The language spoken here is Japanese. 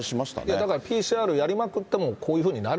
だからＰＣＲやりまくってもこういうふうになる。